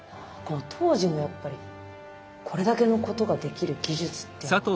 この当時のやっぱりこれだけのことができる技術っていうのは。